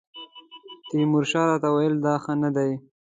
تیمورشاه راته وویل دا ښه نه دی.